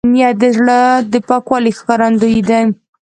نیت د زړه د پاکوالي ښکارندوی دی.